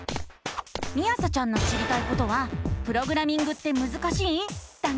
みあさちゃんの知りたいことは「プログラミングってむずかしい⁉」だね！